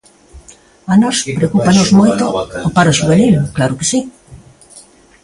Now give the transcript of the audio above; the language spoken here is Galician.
A nós preocúpanos moito o paro xuvenil, claro que si.